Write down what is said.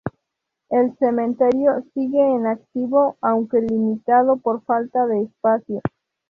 El Cementerio sigue en activo aunque limitado por falta de espacio.